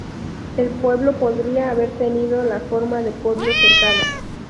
El pueblo podría haber tenido la forma de pueblo cercado.